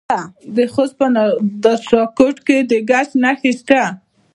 د خوست په نادر شاه کوټ کې د ګچ نښې شته.